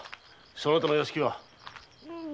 そなたの屋敷は？